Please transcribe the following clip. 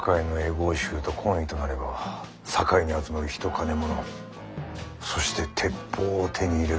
合衆と懇意となれば堺に集まる人金物そして鉄砲を手に入れるも同様。